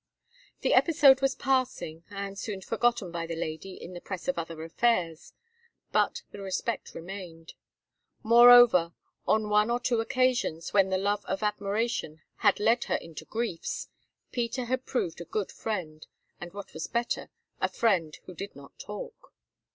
The episode was passing, and soon forgotten by the lady in the press of other affairs; but the respect remained. Moreover, on one or two occasions, when the love of admiration had led her into griefs, Peter had proved a good friend, and what was better, a friend who did not talk.